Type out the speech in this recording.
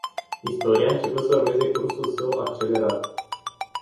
Istoria a început să urmeze cursul său accelerat.